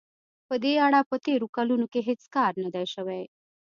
په دې اړه په تېرو کلونو کې هېڅ کار نه دی شوی.